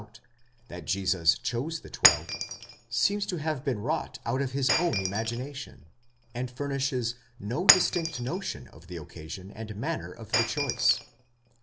out, that Jesus chose the twelve, seems to have been wrought out of his own imagination, and furnishes no distinct notion of the occasion and manner of the choice.